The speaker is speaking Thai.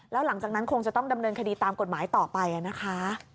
แล้วหลังจากนั้นคงจะต้องดำเนินคดีตามกฎหมายต่อไปนะคะ